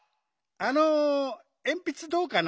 あのえんぴつどうかな？